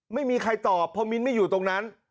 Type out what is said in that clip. ไม่มีใครตอบเพราะมิ้นไม่อยู่ตรงนั้น